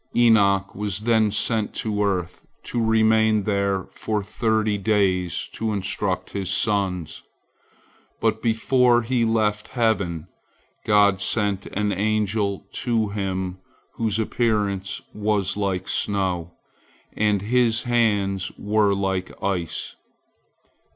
Enoch was then sent to earth to remain there for thirty days to instruct his sons, but before he left heaven, God sent an angel to him whose appearance was like snow, and his hands were like ice.